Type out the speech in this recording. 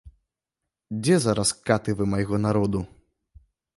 Дзе зараз каты вы майго народу?